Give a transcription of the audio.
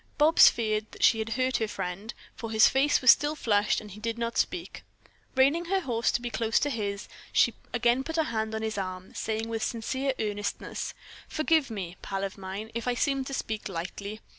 Bobs feared that she had hurt her friend, for his face was still flushed and he did not speak. Reining her horse close to his, she again put a hand on his arm, saying with sincere earnestness: "Forgive me, pal of mine, if I seemed to speak lightly.